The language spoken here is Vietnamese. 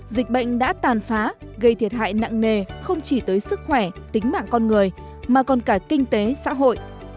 dịch bệnh đã tàn phá gây thiệt hại nặng nề không chỉ tới sức khỏe tính mạng con người mà còn cả kinh tế xã hội